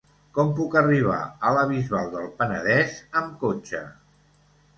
Com puc arribar a la Bisbal del Penedès amb cotxe?